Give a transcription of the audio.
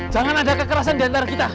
jangan ada kekerasan di antara kita